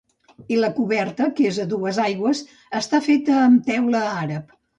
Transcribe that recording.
I la coberta que és a dues aigües està feta amb teula àrab.